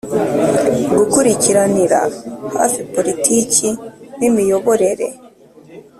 Gukurikiranira hafi politiki n imiyoborere